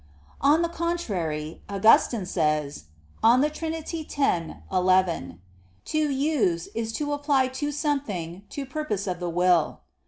On the contrary, Augustine says (De Trin. x, 11): "To use is to apply to something to purpose of the will."